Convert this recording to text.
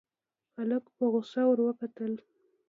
هلک په غوسه ور وکتل.